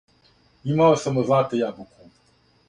Имао сам од злата јабуку,